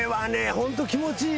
ホント気持ちいいよ。